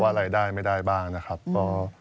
อะไรได้ไม่ได้บ้างนะครับก็